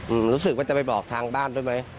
รู้สึกว่าจะไปบอกทางบ้านด้วยไหม